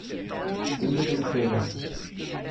Finde den Fehler.